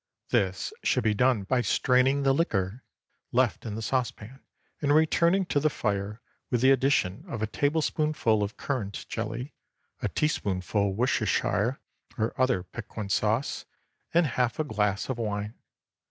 This should be done by straining the liquor left in the saucepan and returning to the fire, with the addition of a tablespoonful of currant jelly, a teaspoonful Worcestershire or other piquant sauce, and half a glass of wine.